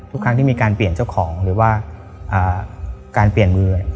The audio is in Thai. ทุกครั้งที่มีการเปลี่ยนเจ้าของหรือว่าการเปลี่ยนมือ